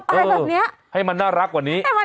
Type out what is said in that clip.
เปิดไฟขอทางออกมาแล้วอ่ะ